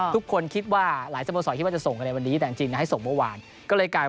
ทุกคนหลายสโมสรจะส่งในวันนี้แต่ไม่ความต้องประมาณส่งเบาะวาน